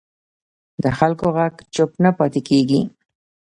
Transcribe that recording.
د خلکو غږ چوپ نه پاتې کېږي